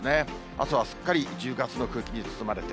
あすはすっかり１０月の空気に包まれて。